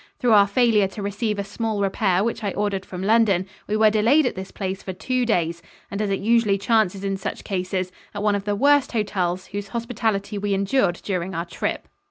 Through our failure to receive a small repair which I ordered from London, we were delayed at this place for two days, and as it usually chances in such cases, at one of the worst hotels whose hospitality we endured during our trip.